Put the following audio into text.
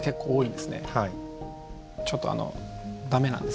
ちょっとあの駄目なんです。